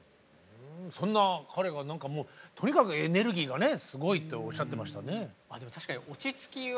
そんな彼がとにかくエネルギーがねすごいっておっしゃってましたね。